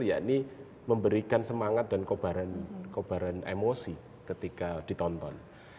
yaitu memberikan semangat dan kebaran emosi ketika ditonton